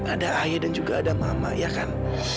ada ayah dan juga ada mama ya kan